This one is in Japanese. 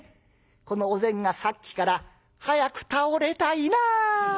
このお膳がさっきから「早く倒れたいな」。